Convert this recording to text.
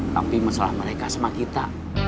tapi masalah mereka sama kita